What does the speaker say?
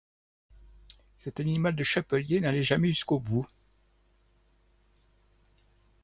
Cet animal de chapelier n'allait jamais jusqu'au bout.